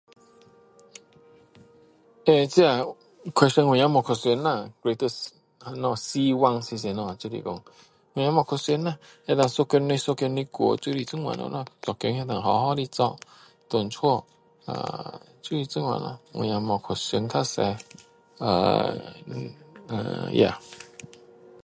呃这 question 我也没有去想 whether 什么希望希望是什么我也没有去想啦就是说一天的日子一天过就是这样了啦做工好好的做就是这样了我也没有去想特别呃呃 ya